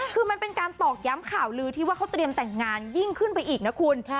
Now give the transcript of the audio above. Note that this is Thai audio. คือมันเป็นการตอกย้ำข่าวลือที่ว่าเขาเตรียมแต่งงานยิ่งขึ้นไปอีกนะคุณ